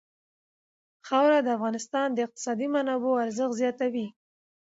خاوره د افغانستان د اقتصادي منابعو ارزښت زیاتوي.